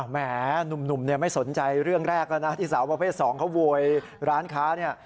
แหมหนุ่มเนี่ยไม่สนใจเรื่องแรกแล้วนะที่สาวประเภท๒เขาโวยร้านค้าเนี่ย